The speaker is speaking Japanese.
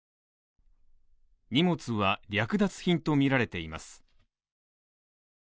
荷物は、略奪品とみられています。